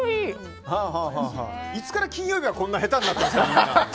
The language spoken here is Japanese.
いつから金曜日はこんな下手になったんですか。